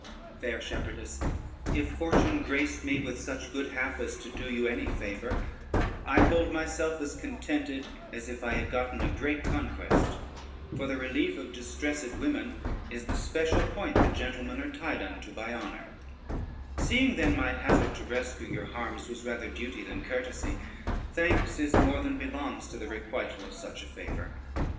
] "Fair shepherdess, if Fortune graced me with such good hap as to do you any favor, I hold myself as contented as if I had gotten a great conquest; for the relief of distressed women is the special point that gentlemen are tied unto by honor: seeing then my hazard to rescue your harms was rather duty than courtesy, thanks is more than belongs to the requital of such a favor.